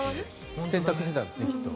洗濯してたんですね、きっと。